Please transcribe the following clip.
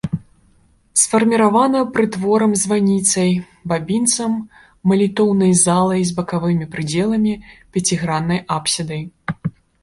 Сфарміравана прытворам-званіцай, бабінцам, малітоўнай залай з бакавымі прыдзеламі, пяціграннай апсідай.